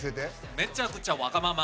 めちゃくちゃわがまま。